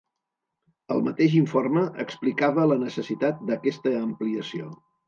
El mateix informe explicava la necessitat d’aquesta ampliació.